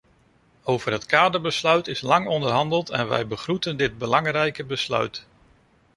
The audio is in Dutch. Over het kaderbesluit is lang onderhandeld en wij begroeten dit belangrijke besluit.